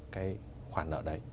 cái khoản nợ đấy